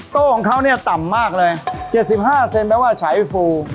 โต๊ะของเขาเนี่ยต่ำมากเลย๗๕เซนแปลว่าฉายฟู